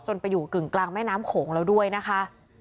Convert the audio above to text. ไปอยู่กึ่งกลางแม่น้ำโขงแล้วด้วยนะคะ